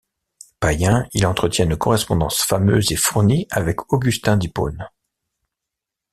Païen, il entretient une correspondance fameuse et fournie avec Augustin d'Hippone.